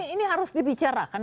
ini harus dipicarakan